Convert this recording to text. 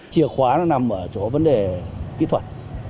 chìa khóa nó nằm ở chỗ vấn đề kỹ thuật